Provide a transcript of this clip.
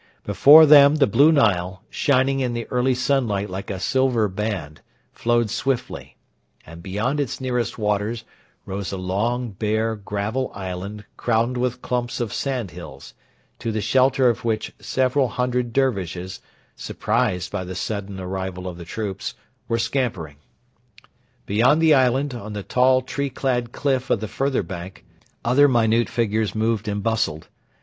Before them the Blue Nile, shining in the early sunlight like a silver band, flowed swiftly; and beyond its nearest waters rose a long, bare, gravel island crowned with clumps of sandhills, to the shelter of which several hundred Dervishes, surprised by the sudden arrival of the troops, were scampering. Beyond the island, on the tall tree clad cliff of the further bank, other minute figures moved and bustled.